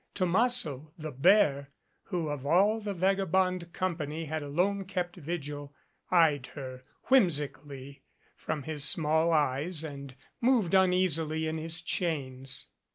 Tomasso* the bear, who of all the vagabond company had alone kept vigil, eyed her whimsically from his small eyes and moved uneasily in his chains.